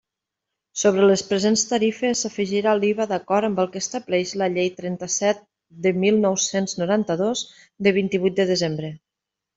Sobre les presents tarifes s'afegirà l'IVA d'acord amb el que establix la Llei trenta-set de mil nou-cents noranta-dos, de vint-i-huit de desembre.